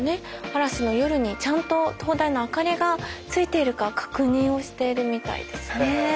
嵐の夜にちゃんと灯台の明かりがついているか確認をしているみたいですね。